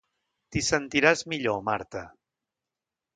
T'hi sentiràs millor, Marta.